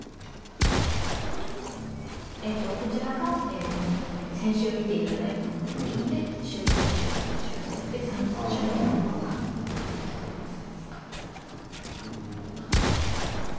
こちらが先週見て頂いたもの。で修正修正修正って３種類のものが上がってきています。